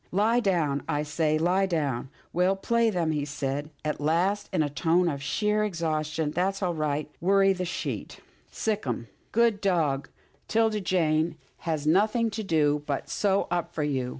Lie down, I say — lie down — Well, play then," he said, at last, in a tone of sheer ex haustion. " That's right, worry the sheet. Sic 'em, THE MONEYED PUP 117 good dog. 'Tilda Jane has nothing to do but sew up after you.